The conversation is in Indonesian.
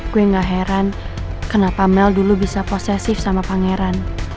gue gak heran kenapa mel dulu bisa posesif sama pangeran